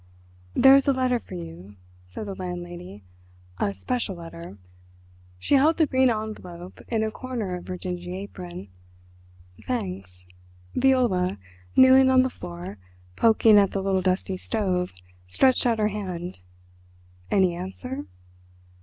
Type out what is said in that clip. "There is a letter for you," said the landlady, "a special letter"—she held the green envelope in a corner of her dingy apron. "Thanks." Viola, kneeling on the floor, poking at the little dusty stove, stretched out her hand. "Any answer?"